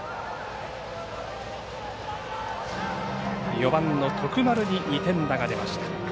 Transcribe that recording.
４番の徳丸に２点打が出ました。